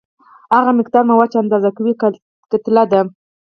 هغه مقدار مواد چې اندازه کوي کتله ده.